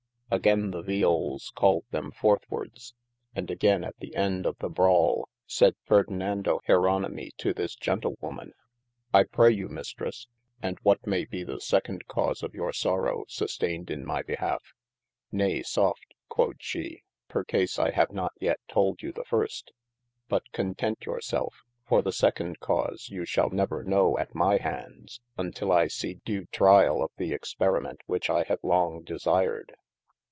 Againe the viols called them forth wardes, and againe at the ende of the braule sayde Ferdinando Jeronimi 396 sayeth OF MASTER F. J. to this Gentlewoman : I pray you Mistres, and what may be the second cause of your sorow sustained in my behalfe ? Nay soft (quod she) percase I have not yet tolde you the first, but content your selfe, for the second cause you shall never know at my handes, untill I see due triall of the experiment which I have long desired.